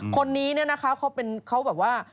คนนี้เนี่ยนะคะเขาเป็นเขาแบบว่า